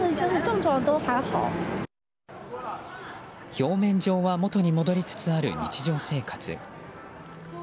表面上は元に戻りつつある日常生活。